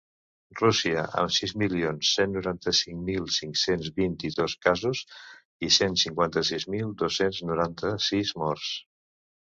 Rússia, amb sis milions cent noranta-cinc mil cinc-cents vint-i-dos casos i cent cinquanta-sis mil dos-cents noranta-sis morts.